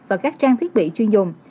và các trang thiết bị chuyên dùng